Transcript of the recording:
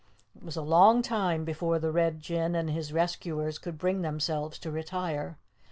It was a long time before the Red Jinn and his rescuers could bring themselves to retire.